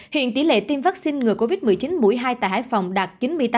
hiện tỷ lệ tiêm vaccine ngừa covid một mươi chín mũi hai tại hải phòng đạt chín mươi tám